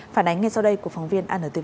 phản ánh ngay sau đây của phóng viên anntv